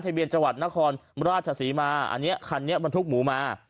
เบียนจังหวัดนครราชศรีมาอันนี้คันนี้บรรทุกหมูมา